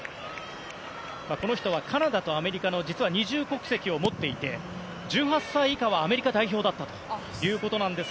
この人はカナダとアメリカの実は二重国籍を持っていて１８歳以下はアメリカ代表だったということです。